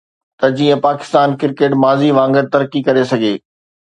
ته جيئن پاڪستان ڪرڪيٽ ماضي وانگر ترقي ڪري سگهي.